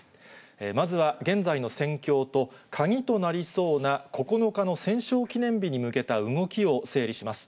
まずは現在の戦況と、鍵となりそうな９日の戦勝記念日に向けた動きを整理します。